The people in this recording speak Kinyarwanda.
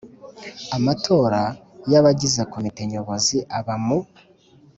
Amatora y abagize Komite Nyobozi aba mu